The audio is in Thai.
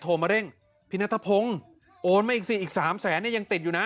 มาเร่งพี่นัทพงศ์โอนมาอีกสิอีกสามแสนเนี่ยยังติดอยู่นะ